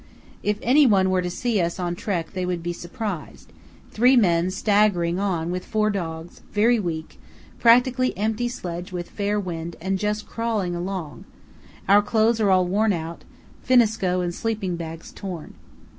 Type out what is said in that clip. If any one were to see us on trek they would be surprised, three men staggering on with four dogs, very weak; practically empty sledge with fair wind and just crawling along; our clothes are all worn out, finneskoe and sleeping bags torn.